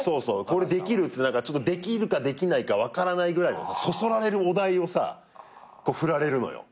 これできる？ってできるかできないか分からないぐらいのそそられるお題を振られるのよ。